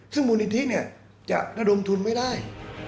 ซึ่งมูลนิธิจะระดมทุนไม่ได้